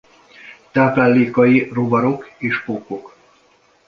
Táplálékai rovarok és pókok.